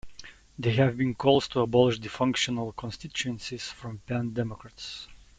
There have been calls to abolish the functional constituencies from pan democrats.